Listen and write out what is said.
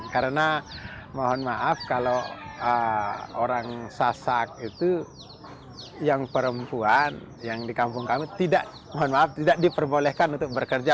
karena mohon maaf kalau orang sasak itu yang perempuan yang di kampung kami tidak diperbolehkan untuk bekerja